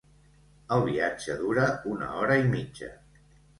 El viatge dura una hora i mitja.